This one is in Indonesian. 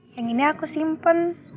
yang ini aku simpen